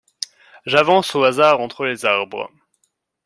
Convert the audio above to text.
J’avance au hasard entre les arbres.